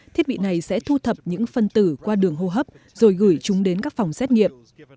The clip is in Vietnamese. thiết bị này sẽ thu thập những phân tử qua đường hô hấp rồi gửi chúng đến các phòng xét nghiệm